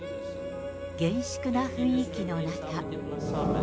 厳粛な雰囲気の中。